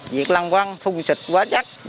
việc lăng văn phung sịch quá chắc